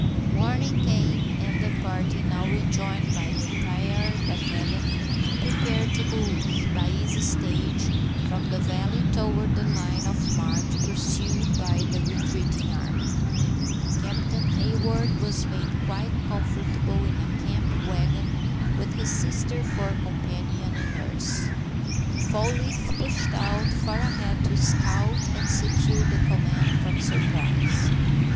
Morning came, and the party, now rejoined by the entire battalion, prepared to move, by easy stages, from the valley toward the line of march pursued by the retreating army. Captain Hayward was made quite comfortable in a camp wagon, with his sister for companion and nurse. Fall leaf pushed out far ahead to scout and secure the command from surprise.